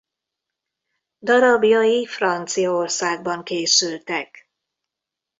Darabjai Franciaországban készültek.